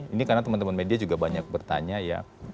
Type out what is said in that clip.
ini karena teman teman media juga banyak bertanya ya